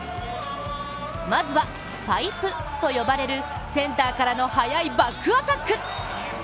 まずはパイプと呼ばれるセンターからの速いバックアタック。